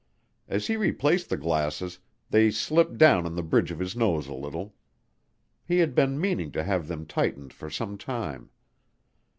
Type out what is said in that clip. As he replaced the glasses, they slipped down on the bridge of his nose a little. He had been meaning to have them tightened for some time.